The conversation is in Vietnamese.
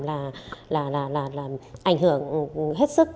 là ảnh hưởng hết sức